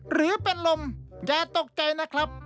หรือเป็นลมอย่าตกใจนะครับ